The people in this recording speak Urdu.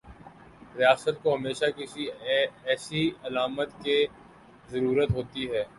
ریاست کو ہمیشہ کسی ایسی علامت کی ضرورت ہوتی ہے۔